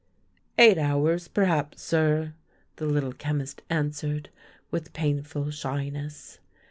" Eight hours, perhaps, sir," the Little Chemist answered, with painful shyness.